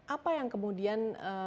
apa yang kemudian dihasilkan oleh dbon